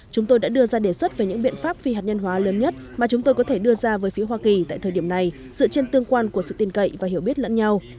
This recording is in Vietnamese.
chúng tôi đã đưa ra đề xuất về những biện pháp phi hạt nhân hóa lớn nhất mà chúng tôi có thể đưa ra với phía hoa kỳ tại thời điểm này dựa trên tương quan của sự tin cậy và hiểu biết lẫn nhau